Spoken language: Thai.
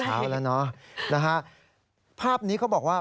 อะไรแล้วนะฮะภาพนี้เขาบอกว่า